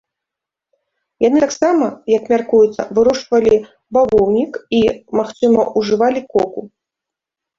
Яны таксама, як мяркуецца, вырошчвалі бавоўнік і, магчыма, ужывалі коку.